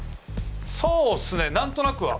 そうっすね何となくは。